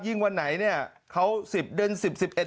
วันไหนเนี่ยเขา๑๐เดือน๑๐๑๑